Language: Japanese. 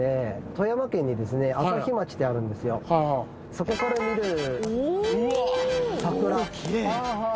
そこから見る桜はあ